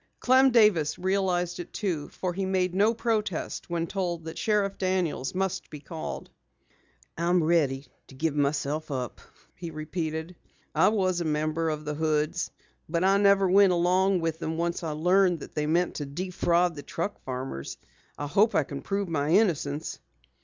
Clem Davis realized it too, for he made no protest when told that Sheriff Daniels must be called. "I'm ready to give myself up," he repeated. "I was a member of the Hoods, but I never went along with them once I learned that they meant to defraud the truck farmers. I hope I can prove my innocence."